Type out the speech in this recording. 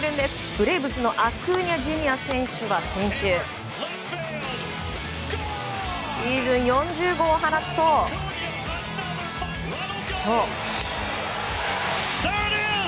ブレーブスのアクーニャＪｒ．選手は先週シーズン４０号を放つと今日。